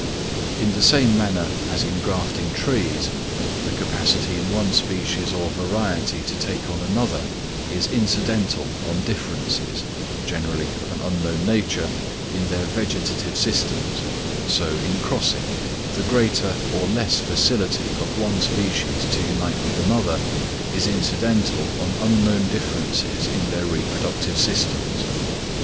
In the same manner as in grafting trees, the capacity in one species or variety to take on another, is incidental on differences, generally of an unknown nature, in their vegetative systems, so in crossing, the greater or less facility of one species to unite with another is incidental on unknown differences in their reproductive systems.